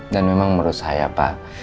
dan memang menurut saya pak